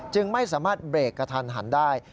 จึงไม่สามารถเบรกกระทันหันได้